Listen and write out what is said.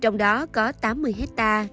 trong đó có tám nơi trung tâm nông nghiệp mùa xuân